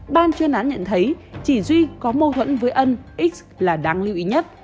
ban chuyên án nhận thấy chỉ duy có mâu thuẫn với ân x là đáng lưu ý nhất